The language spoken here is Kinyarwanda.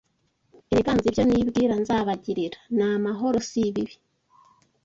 Erega nzi ibyo nibwira nzabagirira, ni amahoro, si bibi